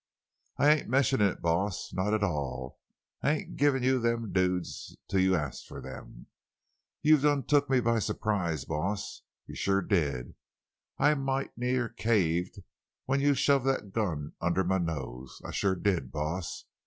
"I ain't mentionin' it, boss—not at all! I ain't givin' you them duds till you ast for them. You done took me by s'prise, boss—you shuah did. I might' near caved when you shoved that gun under ma nose—I shuah did, boss.